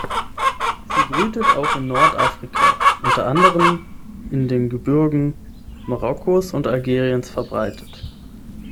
Sie brütet auch in Nordafrika, unter anderem in den Gebirgen Marokkos und Algeriens verbreitet.